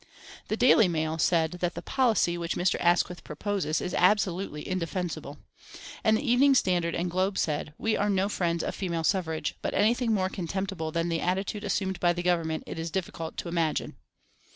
The Daily Mail said that the "policy which Mr. Asquith proposes is absolutely indefensible." And the Evening Standard and Globe said: "We are no friends of female suffrage, but anything more contemptible than the attitude assumed by the Government it is difficult to imagine."